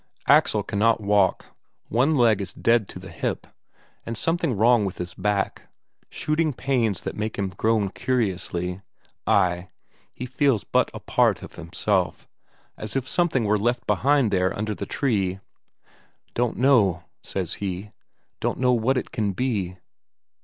Axel cannot walk, one leg is dead to the hip, and something wrong with his back; shooting pains that make him groan curiously ay, he feels but a part of himself, as if something were left behind there under the tree. "Don't know," says he "don't know what it can be...."